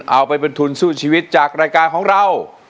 เอาไปเป็นทุนสู้ชีวิตจากรายการของเรา